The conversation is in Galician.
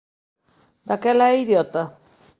Daquela é idiota?